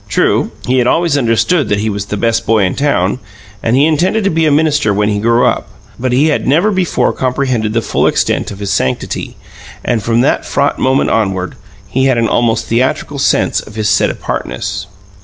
True, he had always understood that he was the best boy in town and he intended to be a minister when he grew up; but he had never before comprehended the full extent of his sanctity, and, from that fraught moment onward, he had an almost theatrical sense of his set apartness.